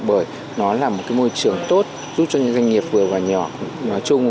bởi nó là một môi trường tốt giúp cho những doanh nghiệp vừa và nhỏ nói chung